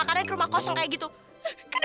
kau bisa duduk sendiri sih